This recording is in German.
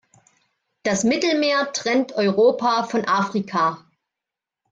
Das Mittelmeer trennt Europa von Afrika.